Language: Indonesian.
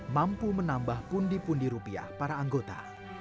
mampu menambah pundi pundi rupiah para anggota